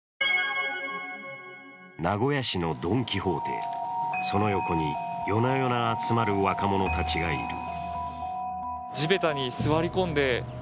名古屋市のドン・キホーテ、その横に夜な夜な集まる若者たちがいる。